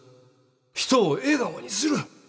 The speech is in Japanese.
人を笑顔にする。